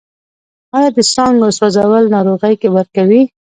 آیا د څانګو سوځول ناروغۍ ورکوي؟